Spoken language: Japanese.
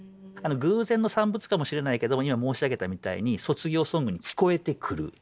偶然の産物かもしれないけども今申し上げたみたいに卒業ソングに聞こえてくる。